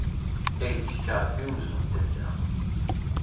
Ad ak-yefk Rebbi uzu n tasa.